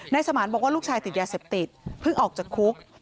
สมานบอกว่าลูกชายติดยาเสพติดเพิ่งออกจากคุก